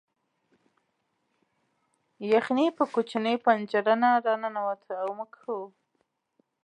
یخني په کوچنۍ پنجره نه راننوته او موږ ښه وو